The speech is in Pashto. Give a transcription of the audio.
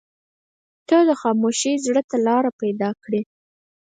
• ته د خاموشۍ زړه ته لاره پیدا کړې.